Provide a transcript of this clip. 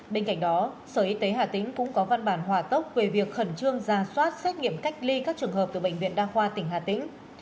bên cạnh đó sở y tế hà tĩnh cũng có văn bản hòa tốc về việc khẩn trương ra soát xét nghiệm cách ly các trường hợp từ bệnh viện đa khoa tỉnh hà tĩnh